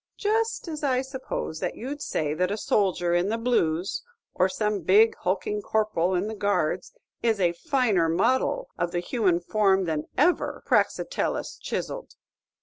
"Just as I suppose that you'd say that a soldier in the Blues, or some big, hulking corporal in the Guards, is a finer model of the human form than ever Praxiteles chiselled."